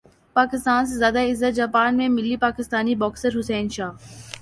پاکستان سے زیادہ عزت جاپان میں ملی پاکستانی باکسر حسین شاہ